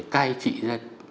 cái trị dân